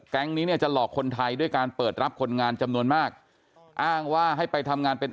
นี้เนี่ยจะหลอกคนไทยด้วยการเปิดรับคนงานจำนวนมากอ้างว่าให้ไปทำงานเป็น